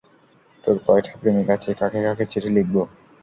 তোর কয়টা প্রেমিক আছে, কাকে কাকে চিঠি লিখবো?